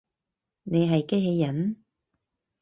你係機器人？